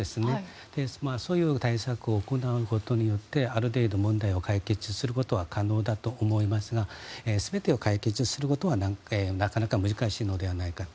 そういう対策を行うことによってある程度、問題を解決することは可能だと思いますが全てを解決することはなかなか難しいのではないかと。